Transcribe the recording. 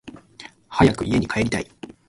早く家に帰りたい